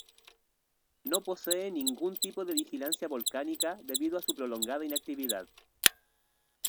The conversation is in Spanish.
No posee ningún tipo de vigilancia volcánica debido a su prolongada inactividad.